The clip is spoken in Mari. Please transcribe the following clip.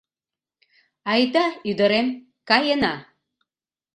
Айда, ӱдырем, каена.